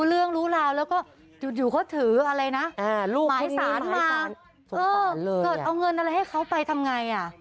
เออเกิดเอาเงินอะไรให้เขาไปทำอย่างไร